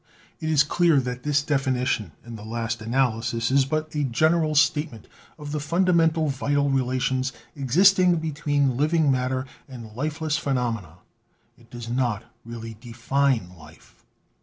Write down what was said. It is clear that this definition in the last analysis is but a general statement of the fundamental vital relations existing between living matter and lifeless phenomena. It does not really define life.